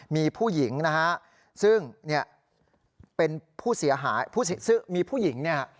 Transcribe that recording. มีผู้หญิงนะฮะซึ่งเนี่ยเป็นผู้เสียหายซึ่งมีผู้หญิงเนี่ย